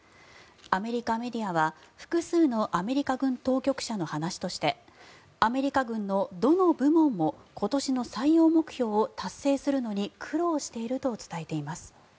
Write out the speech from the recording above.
アメリカメディアは、複数のアメリカ軍当局者の話としてアメリカ軍のどの部門も今年の採用目標を達成するのに苦労していると伝えています。